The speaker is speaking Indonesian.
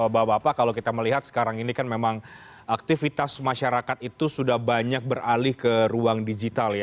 bapak bapak kalau kita melihat sekarang ini kan memang aktivitas masyarakat itu sudah banyak beralih ke ruang digital ya